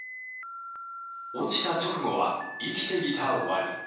落ちた直後は、生きていたワニ。